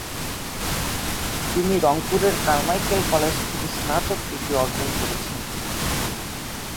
তিনি রংপুরের Carmichael college থেকে স্নাতক ডিগ্রি অর্জন করেছেন।